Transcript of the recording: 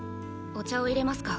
お茶をいれますか？